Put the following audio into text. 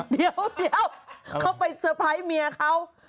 เดี๋ยวเขาไปเตอร์ไพรส์เมียเขา